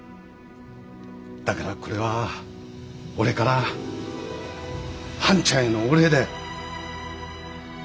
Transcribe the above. だからこれは俺から半ちゃんへのお礼だよ。